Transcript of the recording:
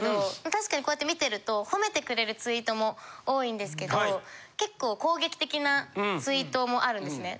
確かにこうやって見てると誉めてくれるツイートも多いんですけど結構攻撃的なツイートもあるんですね。